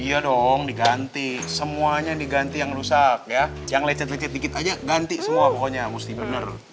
iya dong diganti semuanya diganti yang rusak ya yang lecet lecet dikit aja ganti semua pokoknya mesti benar